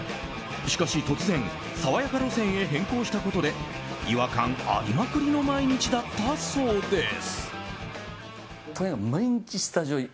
しかし突然爽やか路線へ変更したことで違和感ありまくりの毎日だったそうです。